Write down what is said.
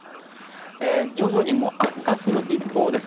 徐々に悪化する一方です。